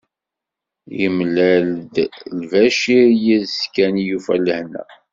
Yemlal-d Lbacir, yid-s kan i yufa lehna.